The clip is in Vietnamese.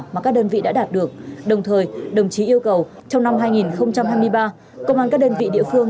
mà các đơn vị đã đạt được đồng thời đồng chí yêu cầu trong năm hai nghìn hai mươi ba công an các đơn vị địa phương